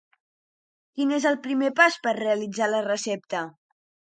Quin és el primer pas per realitzar la recepta?